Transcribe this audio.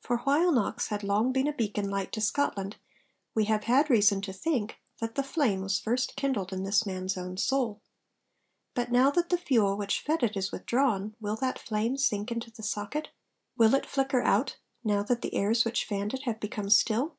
For while Knox had long been a beacon light to Scotland, we have had reason to think that the flame was first kindled in this man's own soul. But now that the fuel which fed it is withdrawn, will that flame sink into the socket? Will it flicker out, now that the airs which fanned it have become still?